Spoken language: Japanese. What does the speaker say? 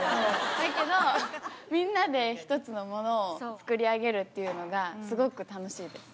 だけど、みんなで一つのものを作り上げるっていうのが、すごく楽しいです。